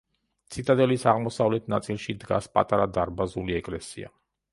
ციტადელის აღმოსავლეთ ნაწილში დგას პატარა დარბაზული ეკლესია.